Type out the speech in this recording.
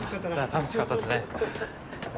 楽しかったっすね。